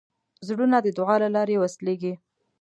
زړونه د دعا له لارې وصلېږي.